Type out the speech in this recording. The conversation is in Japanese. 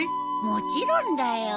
もちろんだよ。